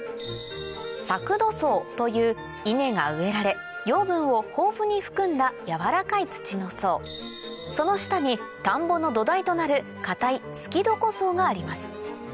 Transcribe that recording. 作土層という稲が植えられ養分を豊富に含んだやわらかい土の層その下に田んぼの土台となる硬いすき床層があります